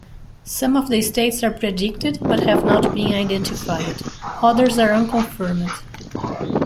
Some of the states are predicted, but have not been identified; others are unconfirmed.